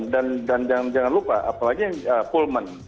dan jangan lupa apalagi pullman